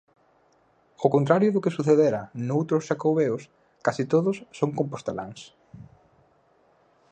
Ao contrario do que sucedera noutros xacobeos, case todos son composteláns.